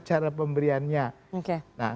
cara pemberiannya oke nah